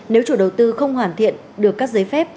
nếu chủ đầu tư không hoàn thiện được các giấy phép